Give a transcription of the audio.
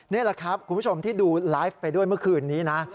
นี่แหละครับคุณผู้ชมที่ดูไลฟ์ไปด้วยเมื่อคืนนี้นะ